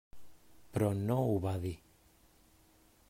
Però no ho va dir.